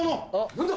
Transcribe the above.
何だ！